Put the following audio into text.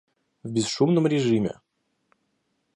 В бесшумном режиме